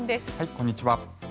こんにちは。